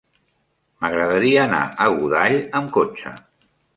M'agradaria anar a Godall amb cotxe.